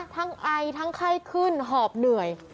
ไอทั้งไข้ขึ้นหอบเหนื่อย